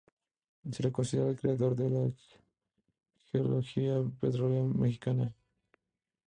Se le considera creador de la geología petrolera mexicana.